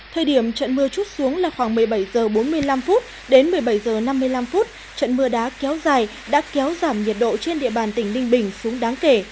thời điểm trận mưa chút xuống là khoảng một mươi bảy h bốn mươi năm đến một mươi bảy h năm mươi năm trận mưa đá kéo dài đã kéo giảm nhiệt độ trên địa bàn tỉnh ninh bình xuống đáng kể